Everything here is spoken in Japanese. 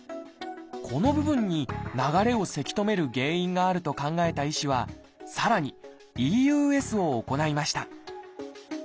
この部分に流れをせき止める原因があると考えた医師はさらに「ＥＵＳ」を行いました。